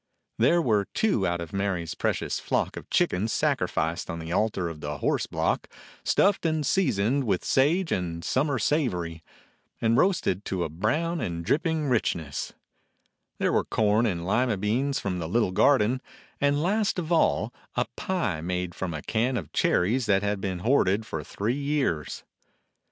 There were two out of Mary's precious flock of chickens sacrificed on the altar of the horse block, stuffed and seasoned with sage 13 DOG HEROES OF MANY LANDS and summer savory, and roasted to a brown and dripping richness; there were corn and Lima beans from the little garden, and last of all, a pie made from a can of cherries that had been hoarded for three years.